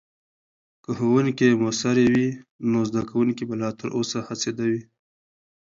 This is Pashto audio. که ښوونکې مؤثرې وي، نو زدکونکي به لا تر اوسه هڅیده وي.